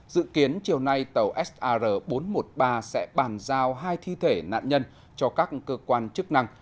dự kiến chiều nay tàu sar bốn trăm một mươi ba sẽ bàn giao hai thi thể nạn nhân cho các cơ quan chức năng